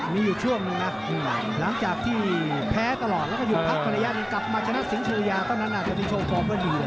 มีอยู่ช่วงนี้นะหลังจากที่แพ้ตลอดแล้วก็อยู่พักภรรยากันกลับมาจะนัดสิงห์เฉลยาตอนนั้นจะมีโชว์ฟอร์มได้ดีเลย